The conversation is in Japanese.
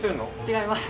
違います。